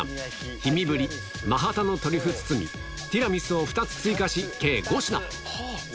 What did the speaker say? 氷見ぶり、マハタのトリュフ包み、ティラミスを２つ追加し、計５品。